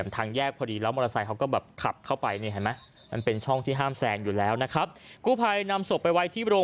รถบรรทุกน้ำมัน